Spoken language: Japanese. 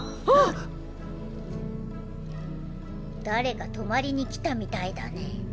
誰か泊まりに来たみたいだね。